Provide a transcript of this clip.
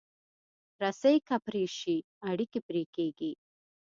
رسۍ که پرې شي، اړیکې پرې کېږي.